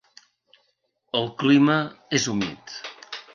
El clima és humit.